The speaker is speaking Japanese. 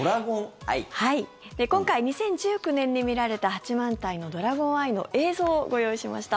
今回２０１９年に見られた八幡平のドラゴンアイの映像をご用意しました。